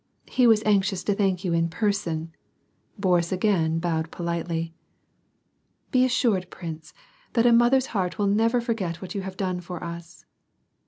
" He was anxious to thank you in person," Boris again bowed politely. "Be assured, prince, that a mother^s heart will never forget what you have done for us."